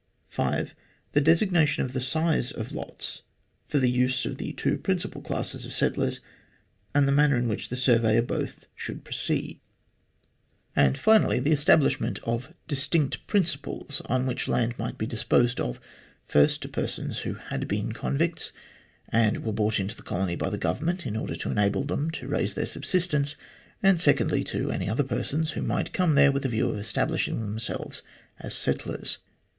(5) The designation of the size of lots for the use of the two principal classes of settlers, and the manner in which the survey of both should proceed. 29 30 THE GLADSTONE COLONY And finally, the establishment of the distinct principles on which land might be disposed of : first, to persons who had been convicts, and were brought into the colony by the Government in order to enable them to raise their subsist ence : and secondly, to any other persons who might come there witli a view to establishing themselves as settlers.